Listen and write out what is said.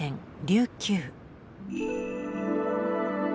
琉球。